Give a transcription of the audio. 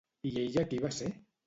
I ella qui va ser?